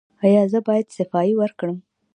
ایا زه باید صفايي وکړم؟